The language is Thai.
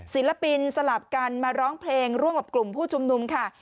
ศิลปินสลับกันมาร้องเพลงร่วมกับกลุ่มผู้ชุมนุมค่ะ